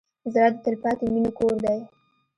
زړه د تلپاتې مینې کور دی.